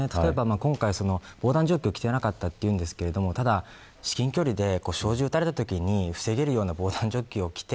例えば今回、防弾チョッキを着ていなかったというんですが至近距離で撃たれた時に防げる用の防弾チョッキを着て